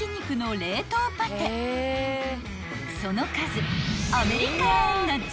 ［その数］